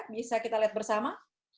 bisa kita lihat bersama